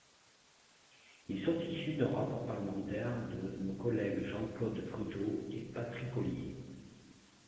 Ils sont issus d’un rapport parlementaire de nos collègues Jean-Claude Fruteau et Patrick Ollier.